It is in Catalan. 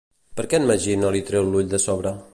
Per què en Magí no li treia l'ull de sobre?